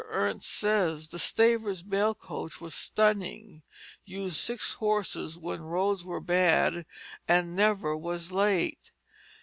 Ernst says: "The Stavers mail coach was stunning; used six horses when roads were bad, and never was late.